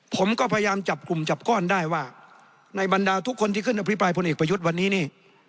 ผมก็พยายามจับกลุ่มจับก้อนได้ว่าในบรรดาทุกคนที่ขึ้นอภิปรายพลเอกประยุทธ์วันนี้นี่